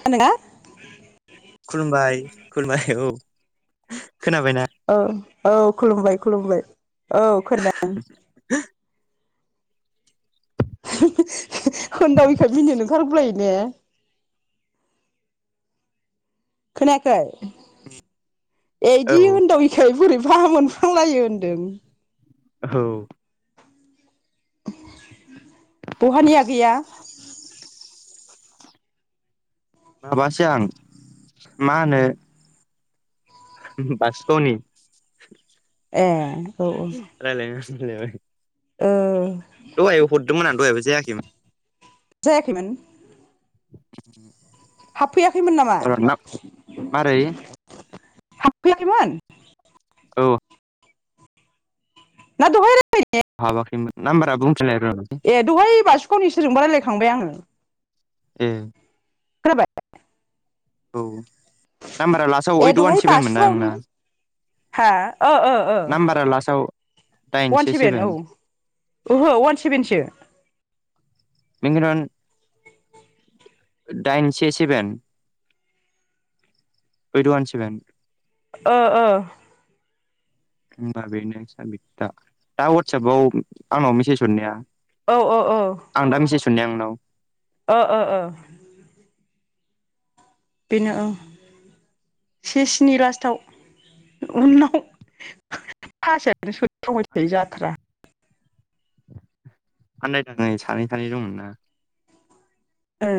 खोनादों ना? खुलुमबाय खुलुमबाय औ। खोनाबायना? औ औ खुलुमबाय खुलुमबाय। औ खोनादों। [unintelligible] [unintelligible] होनन्दावैखाय मिनिनो ओंखारगु लायो ने? खोनायाखै ए औ इदि उदावैखाय बोरैबा मोन हां लायो होनदों। औ। बहानि आगैया? माबासो आं मा होनो? बासुगाव नि। ए। औ रालायनो दसे फैलायबाय। ओं। दहाय हरदोंमोन आं दहायबो जायाखैमोन। जायाखैमोन? [inaudible] हाबफैयाखैमोन नामा? मारै हाबफैयाखैमोन? औ‌ ना दहाय राय हाबाखैमोन नामबारा बुंफिनलाय [unintelligible] ए दहाय बासुगावनि सोरजोंबा रायलायखांबाय आङो। ए खोनाबाय? औ नामबारा लास ए दहाय बासुगावनि हा ओ ओ नाम्बारा लास्टआव दाइन वान से सेभेन औ। ओहो वान सेभेनसो [unintelligible] दाइन से सेभेन ओइद वान सेभेन ओ ओ। [inaudible] होमबा बेनो साबिथा दा वाटसपाव आंनाव मेसेज हरनाया। औ औ औ। आं दा मिसेस हरनाया नोंनाव ओ ओ ओ। बेनो ओ। से स्नि लास्टाव उनाव [unintelligible] थायो जाथ्रा। आनदायनानै सानै सानै दंमोन ना। ओ।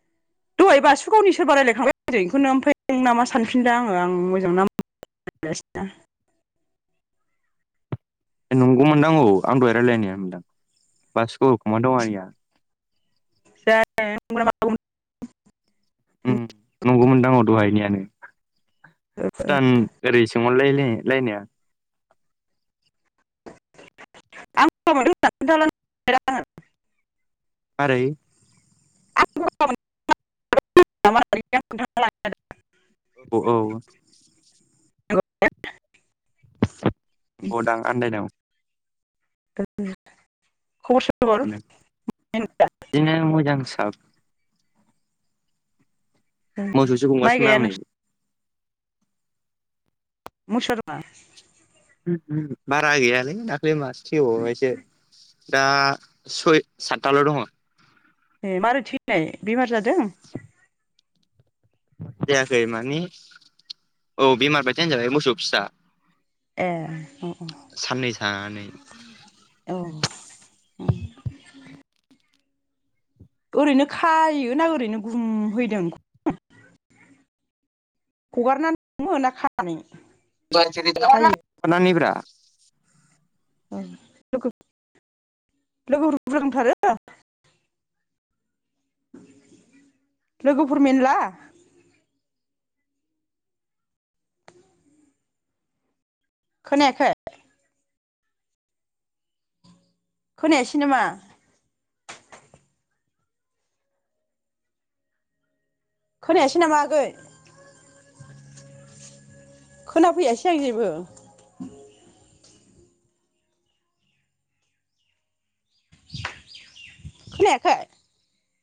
[inaudible] दहाय बासुगावनि सोरबा रायलायखांबाय आंजों इखौनो ओमफ्राय नों नामा सानफिनदों आङो। आं मोजां नाम [unintelligible] [inaudible] ए नंगौमोनदांगौ आं दहाय रायलायनाया मोनदां बासुगाव खुमादावारिया। जानो नंगौ ना [unintelligible] नंगौमोनदां दहायनियानो भुटान ओरै सोंहरलाय लाय लायनाया आं [unintelligible] मारै आंखौ गगा मोनदों [unintelligible] ओमफ्राय आं खोनथाना लानाया लाय औ औ [unintelligible] नंगौ दां आन्दायनायाव [unintelligible] खबर स [unintelligible] बिदिनो मोजां साब मोसौसो माइ गुमगासिनोमोन गाया आं नै नोंस [unintelligible] बारा गैयालै दाख्लै मास थैबावबायसो दा सरि सातथाल' दंङो। ए मारै थैनाय बेमार जादों? जायाखै माने औ बेमार बायदियानो होजाबाय मोसौ फिसा। ओ अ‌ अ साननै थानानै औ औ ओरैनो खायो ना ओरैनो गुमहैदों। हगारनानै दोनोना खानानै खायो [unintelligible] औ लोगो लोगोफोर बुश्रजा दंथारो। लोगोफोर मेनला? खोनायाखै? खोनायासै नामा? खोनायासै नामा आगै खोनाफैयासै आं जेबो खोनायाखै